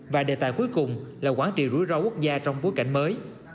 và đề tài cuối cùng là quản trị rủi ro quốc gia trong bối cảnh mới